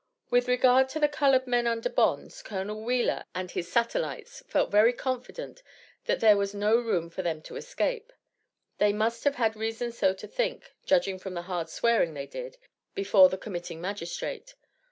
With regard to the colored men under bonds, Col. Wheeler and his satellites felt very confident that there was no room for them to escape. They must have had reason so to think, judging from the hard swearing they did, before the committing magistrate.